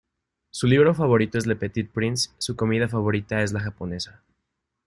Su libro favorito es Le Petit Prince, su comida favorita es la japonesa.